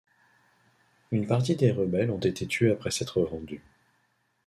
Une partie des rebelles ont été tués après s'être rendu.